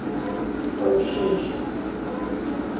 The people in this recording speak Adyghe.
Къэущэжь!